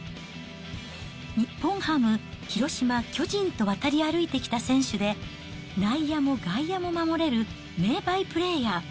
日本ハム、広島、巨人と渡り歩いてきた選手で、内野も外野も守れる名バイプレーヤー。